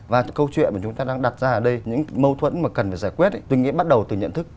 và câu chuyện mà chúng ta đang đặt ra ở đây những mâu thuẫn mà cần phải giải quyết tôi nghĩ bắt đầu từ nhận thức